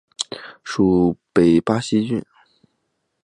属北巴西郡。